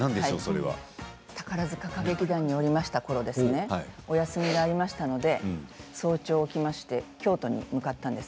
宝塚歌劇団におりましたころ、お休みがありましたので早朝、起きまして京都に向かったんです。